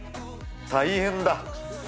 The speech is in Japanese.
大変だ。